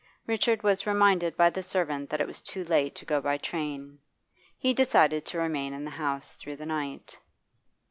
Richard was reminded by the servant that it was too late to go by train. He decided to remain in the house through the night.